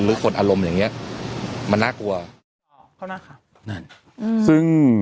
หรือคนอารมณ์อย่างเงี้ยมันน่ากลัวเขานะคะนั่นอืมซึ่ง